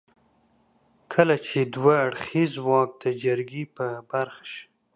کله چې دوه اړخيز واک د جرګې په برخه شي.